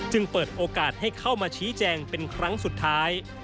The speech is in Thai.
เปิดโอกาสให้เข้ามาชี้แจงเป็นครั้งสุดท้าย